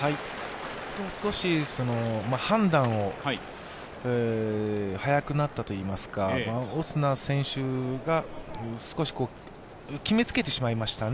少し判断が早くなったといいますか、オスナ選手が少し決めつけてしまいましたね。